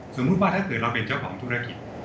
สมมุติว่าถ้าเกิดเราเป็นเจ้าของธุรกิจ